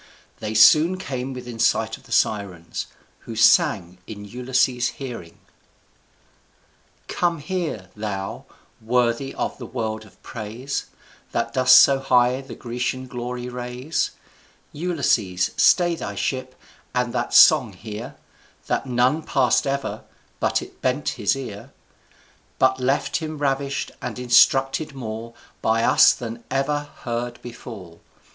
They soon came within sight of the Sirens, who sang in Ulysses's hearing: Come here, thou, worthy of a world of praise, That dost so high the Grecian glory raise, Ulysses' stay thy ship, and that song hear That none pass'd ever, but it bent his ear, But left him ravish'd, and instructed more By us than any ever heard before.